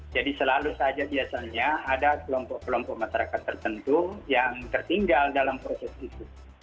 jadi selalu saja biasanya ada kelompok kelompok masyarakat tertentu yang tertinggal dalam proses itu